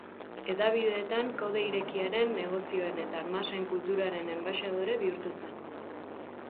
Hedabideetan, kode irekiaren, negozioen eta masen kulturaren enbaxadore bihurtu zen.